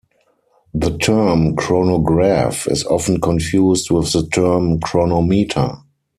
The term chronograph is often confused with the term chronometer.